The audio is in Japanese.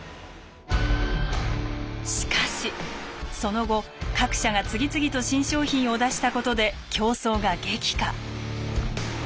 しかしその後各社が次々と新商品を出したことで競争が激化。